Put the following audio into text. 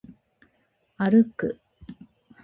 歩く